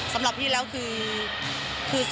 สำหรับพี่แล้วคือ